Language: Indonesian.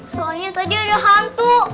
soalnya tadi ada hantu